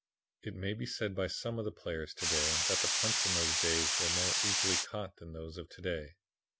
"It may be said by some of the players to day that the punts in those days were more easily caught than those of to day.